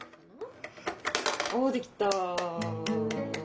おできた。